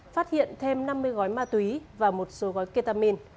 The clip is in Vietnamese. phát hiện thêm năm mươi gói ma túy và một số gói ketamin